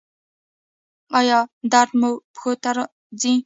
ایا درد مو پښو ته ځي؟